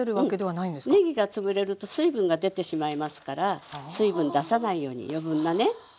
ねぎが潰れると水分が出てしまいますから水分出さないように余分なね。